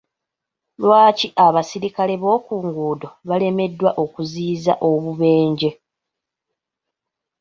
Lwaki abaserikale b'oku nguudo balemeddwa okuziyiza obubenje?